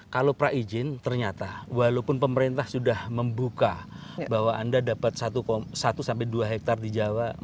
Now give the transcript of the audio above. kalau pra izin ternyata walaupun pemerintah sudah membuka bahwa anda dapat satu sampai dua hektare di jawa